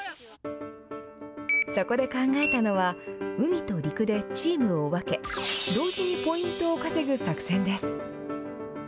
そこで考えたのは海と陸でチームを分け同時にポイントを稼ぐ作戦です。